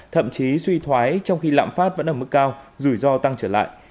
thậm chí suy thoái trong khi lãm phát vẫn ở mức cao rủi ro tăng trở lại